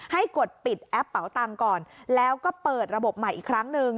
กดปิดแอปเป๋าตังค์ก่อนแล้วก็เปิดระบบใหม่อีกครั้งหนึ่ง